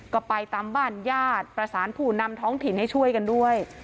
ก็ไปตามบ้านญาติประสานผู้นำท้องถิ่นให้ช่วยกันด้วย